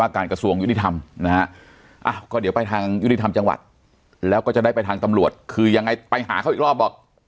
ครับยินดีครับ